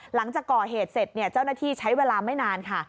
หลังจากก่อเหตุเสร็จเจ้าหน้าที่ใช้เวลาไม่นานค่ะ